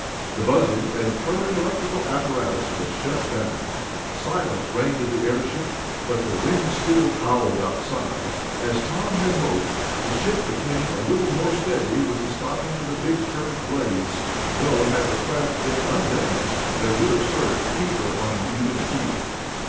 The buzzing and purring electrical apparatus was shut down. Silence reigned in the airship, but the wind still howled outside. As Tom had hoped, the ship became a little more steady with the stopping of the big curved blades, though had the craft been undamaged they would have served to keep her on an even keel.